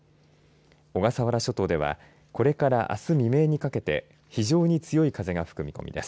小笠原諸島ではこれから、あす未明にかけて非常に強い風が吹く見込みです。